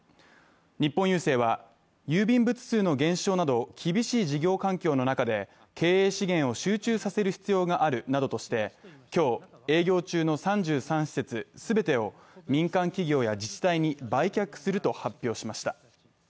日本郵政は、郵便物数の減少など厳しい事業環境の中で経営資源を集中させる必要があるなどとして、今日、営業中の３３施設全てを民間企業や自治体に売却すると発表しました。